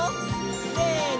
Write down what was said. せの！